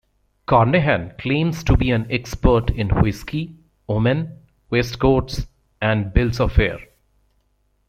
Carnehan claims to be an expert in whiskey, women, waistcoats and bills of fare.